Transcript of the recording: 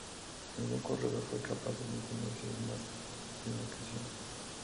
Ningún corredor fue capaz de imponerse en más de una ocasión.